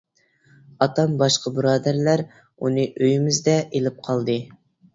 ئاتام باشقا بۇرادەرلەر ئۇنى ئۆيىمىزدە ئېلىپ قالدى.